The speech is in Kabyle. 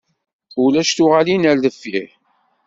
Ulac tuɣalin ar deffir.